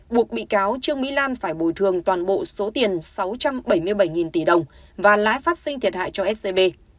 buộc bị cáo trương mỹ lan phải bồi thường toàn bộ số tiền sáu trăm bảy mươi bảy tỷ đồng và lái phát sinh thiệt hại cho scb